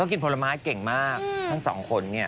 กินผลไม้เก่งมากทั้งสองคนเนี่ย